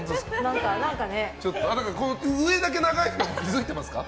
この上だけ長いの気づいてますか？